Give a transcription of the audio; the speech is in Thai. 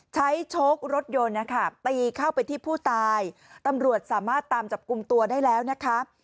โชครถยนต์นะคะตีเข้าไปที่ผู้ตายตำรวจสามารถตามจับกลุ่มตัวได้แล้วนะคะ